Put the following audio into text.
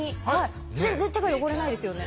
全然手が汚れないですよね。